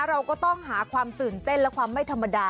เราก็ต้องหาความตื่นเต้นและความไม่ธรรมดา